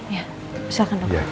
ya silahkan dok silahkan dok